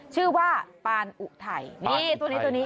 ชื่อว่าปานอุไถตัวนี้